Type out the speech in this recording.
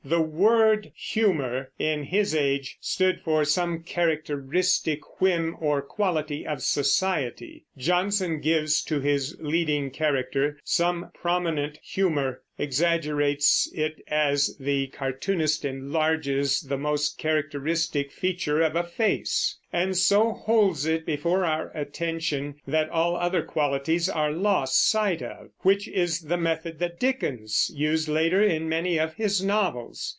The word "humour" in his age stood for some characteristic whim or quality of society. Jonson gives to his leading character some prominent humor, exaggerates it, as the cartoonist enlarges the most characteristic feature of a face, and so holds it before our attention that all other qualities are lost sight of; which is the method that Dickens used later in many of his novels.